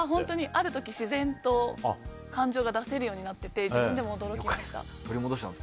ある時、自然と感情が出せるようになってて自分でも驚きました。